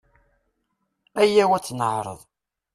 Aya-w ad t-neƐreḍ.